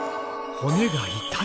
骨が痛い。